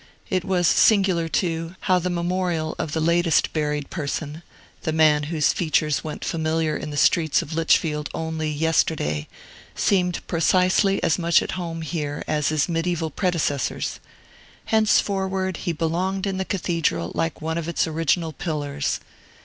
It was singular, too, how the memorial of the latest buried person, the man whose features went familiar in the streets of Lichfield only yesterday, seemed precisely as much at home here as his mediaeval predecessors. Henceforward he belonged in the Cathedral like one of its original pillars.